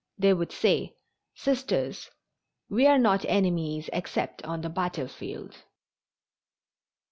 They would say: "Sisters, we are not enemies except on the battlefield."